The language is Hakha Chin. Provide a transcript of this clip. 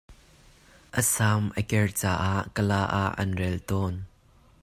A sam a ker caah Kala ah an rel tawn.